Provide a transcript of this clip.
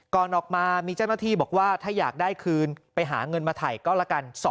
ก่อนออกมามีเจ้าหน้าที่บอกว่าถ้าอยากได้คืนไปหาเงินมาถ่ายก็ละกัน